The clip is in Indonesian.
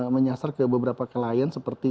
menyasar ke beberapa klien seperti